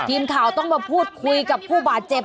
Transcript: ทีมข่าวต้องมาพูดคุยกับผู้บาดเจ็บ